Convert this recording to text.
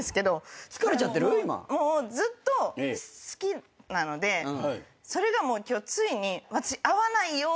もうずっと好きなのでそれがもう今日ついに私。